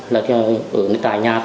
là ở nơi tài nhà